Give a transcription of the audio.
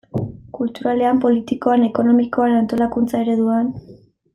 Kulturalean, politikoan, ekonomikoan, antolakuntza ereduan...